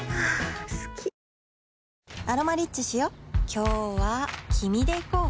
今日は君で行こう